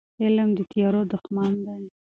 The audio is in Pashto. علم د تیارو دښمن دی.